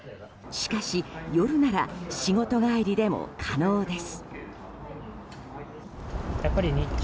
しかし、夜なら仕事帰りでも可能です。